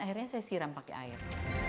akhirnya saya siram pakai air